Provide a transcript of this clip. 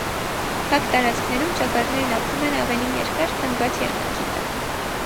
Փակ տարածքներում ճագարներն ապրում են ավելի երկար, քան բաց երկնքի տակ։